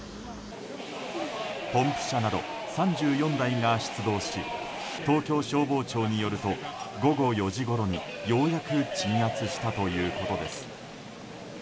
ポンプ車など３４台が出動し東京消防庁によると午後４時ごろに、ようやく鎮圧したということです。